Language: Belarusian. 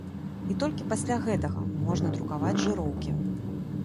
І толькі пасля гэтага можна друкаваць жыроўкі.